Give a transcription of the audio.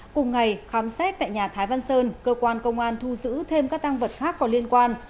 cùng ngày khám xét tại nhà thái văn sơn cơ quan công an thu giữ thêm các tăng vật khác có liên quan